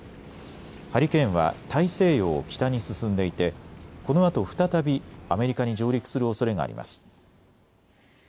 ハリケーンは大西洋を北に進んでいて、このあと再びアメリカに上陸するおそれがあります。